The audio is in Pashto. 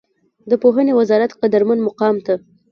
د پوهنې وزارت قدرمن مقام ته